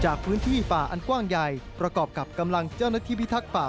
พื้นที่ป่าอันกว้างใหญ่ประกอบกับกำลังเจ้าหน้าที่พิทักษ์ป่า